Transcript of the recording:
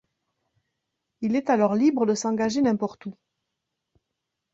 Il est alors libre de s'engager n'importe où.